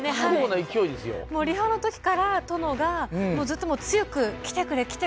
リハの時から、殿がずっと強くきてくれって。